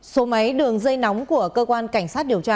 số máy đường dây nóng của cơ quan cảnh sát điều tra